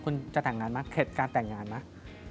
คุณจะแต่งงานไหมเข็ดการแต่งงานไหม